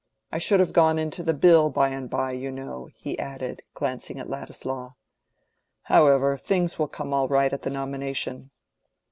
I should have gone into the Bill by and by, you know," he added, glancing at Ladislaw. "However, things will come all right at the nomination."